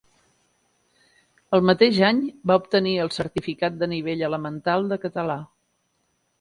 El mateix any va obtenir el certificat de nivell elemental de català.